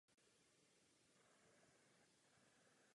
Jeho největší zálibou bylo studium orchidejí.